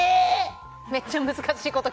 めっちゃ難しいこと